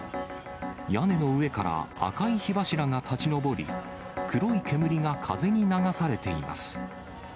屋根の上から赤い火柱が立ち上り、黒い煙が風に流されています。